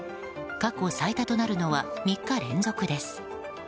過去最多となるのは３日連続です。